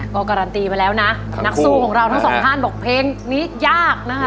ก็การันตีไปแล้วนะนักสู้ของเราทั้งสองท่านบอกเพลงนี้ยากนะคะ